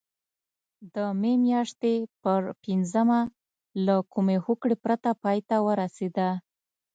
د مې میاشتې پر پینځمه له کومې هوکړې پرته پای ته ورسېده.